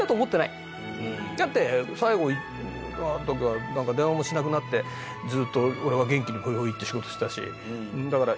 だって最後なんか電話もしなくなってずっと俺は元気にホイホイって仕事してたしだから。